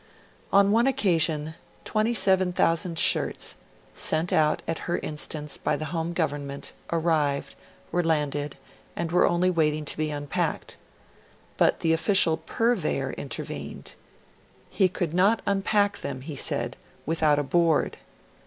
On one occasion 27,000 shirts, sent out at her instance by the Home Government, arrived, were landed, and were only waiting to be unpacked. But the official 'Purveyor' intervened; 'he could not unpack them,' he said, 'with out a Board.'